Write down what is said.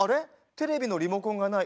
テレビのリモコンがない。